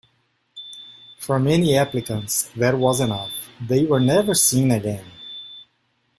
For many applicants that was enough; they were never seen again.